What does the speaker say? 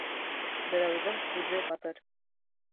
Берәүҙең һүҙе батыр.